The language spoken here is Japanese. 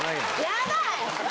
ヤバい！